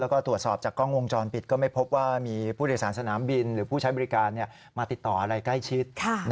แล้วก็ตรวจสอบจากกล้องวงจรปิดก็ไม่พบว่ามีผู้โดยสารสนามบินหรือผู้ใช้บริการมาติดต่ออะไรใกล้ชิด